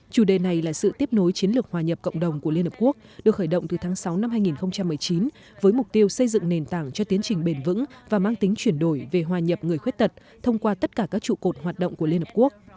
chủ đề này là sự tiếp nối chiến lược hòa nhập cộng đồng của liên hợp quốc được khởi động từ tháng sáu năm hai nghìn một mươi chín với mục tiêu xây dựng nền tảng cho tiến trình bền vững và mang tính chuyển đổi về hòa nhập người khuyết tật thông qua tất cả các trụ cột hoạt động của liên hợp quốc